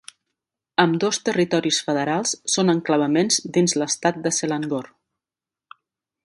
Ambdós territoris federals són enclavaments dins l'estat de Selangor.